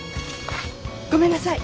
ごめんなさい。